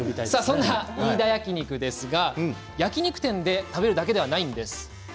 飯田焼き肉ですが焼き肉店で食べるだけではないんです。